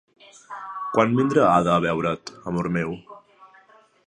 Quan vindrà Ada a veure't, amor meu?